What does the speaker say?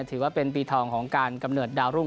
ถือว่าเป็นปีทองของการกำเนิดดาวรุ่ง